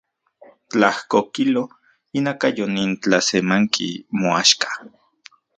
Tlajko kilo inakayo nin tlasemanki moaxka.